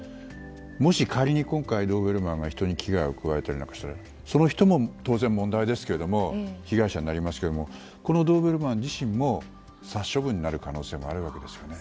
もし仮に今回、ドーベルマンが人に危害を加えたりしたらその人も当然問題ですけれど被害者になりますけどこのドーベルマン自身も殺処分になる可能性もあるわけですよね。